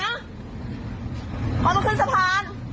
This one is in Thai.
มันจะขึ้นสะพาน